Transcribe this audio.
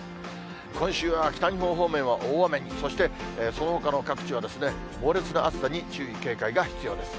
今週は北日本方面は大雨に、そしてそのほかの各地は、猛烈な暑さに注意、警戒が必要です。